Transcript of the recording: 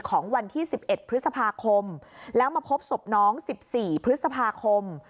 ของวันที่๑๑พฤษภาคมแล้วมาพบศพน้อง๑๔พฤษภาคม